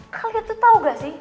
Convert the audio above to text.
kalian tuh tahu gak sih